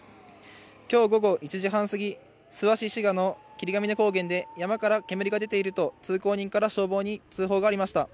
きょう午後１時半過ぎ、諏訪市四賀の霧ヶ峰高原で、山から煙が出ていると、通行人から消防に通報がありました。